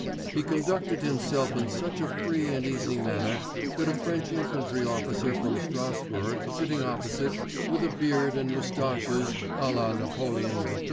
He conducted himself in such a free and easy manner, that a French infantry officer from Strasbourg, sitting opposite, with a beard and moustaches à la Napoleon III.